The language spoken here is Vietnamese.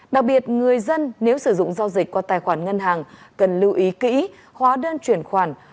đặc biệt người dân nếu sử dụng giao dịch qua tài khoản ngân hàng cần lưu ý kỹ hóa đơn chuyển khoản